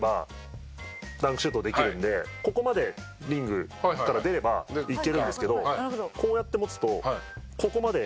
ここまでリングから出ればいけるんですけどこうやって持つとここまで。